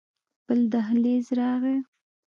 بل دهليز راغى.